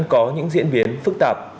có những diễn biến phức tạp